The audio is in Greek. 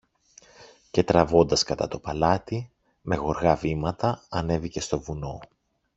και τραβώντας κατά το παλάτι, με γοργά βήματα ανέβηκε στο βουνό